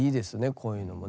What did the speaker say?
こういうのもね。